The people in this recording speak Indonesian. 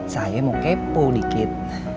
saya mau kepo dikit